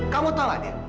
kamu tahu gak dia